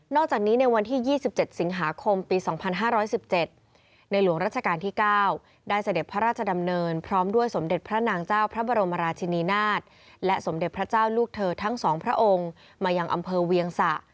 จากนี้ในวันที่๒๗สิงหาคมปี๒๕๑๗ในหลวงราชการที่๙ได้เสด็จพระราชดำเนินพร้อมด้วยสมเด็จพระนางเจ้าพระบรมราชินีนาฏและสมเด็จพระเจ้าลูกเธอทั้ง๒พระองค์มายังอำเภอเวียงสะ